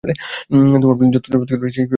তোমার প্ল্যান যত চমৎকার হবে সে আমি জানি।